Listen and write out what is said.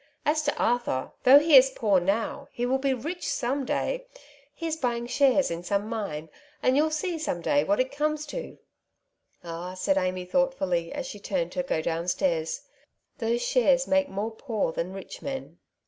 As to Arthur, though he is poor now, he will be rich some day. He is buying shares in some mine, and you'll see some day what it comes to." " Ah," said Amy thoughtfully, as she turned to go down stairs, " those shares make more poor than rich men."